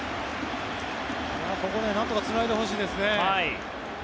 ここなんとかつないでほしいですね。